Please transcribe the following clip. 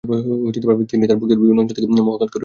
তিনি তার ভক্তদের বিভিন্ন অঞ্চল থেকে মহাকালগড়ে ডেকে পাঠান।